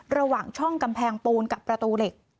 ระหว่างช่องกำแพงปูนกับประตูเหล็ก